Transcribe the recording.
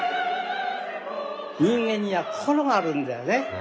人間には心があるんだよね。